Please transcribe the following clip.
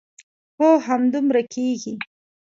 هو همدومره کېږي.